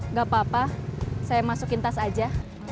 nggak apa apa saya masukin tas aja